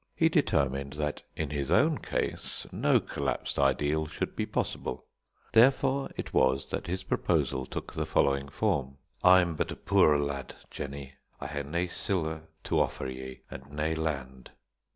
He determined that in his own case no collapsed ideal should be possible. Therefore, it was that his proposal took the following form: "I'm but a puir lad, Jennie; I hae nae siller to offer ye, and nae land."